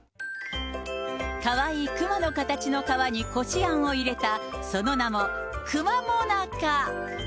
かわいいくまの形の皮にこしあんを入れた、その名も、くま最中。